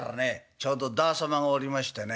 ちょうど旦那様がおりましてね